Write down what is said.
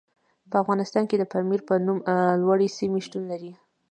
په افغانستان کې د پامیر په نوم لوړې سیمې شتون لري.